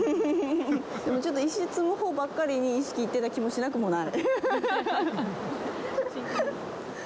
ちょっと、石を積むほうばっかりに意識が行ってた気もしなくもない。